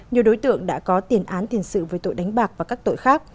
nhiều đối tượng đã có tiền án tiền sự với tội đánh bạc và các tội khác